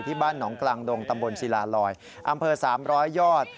บ้านหนองกลางดงตำบลศิลาลอยอำเภอ๓๐๐ยอด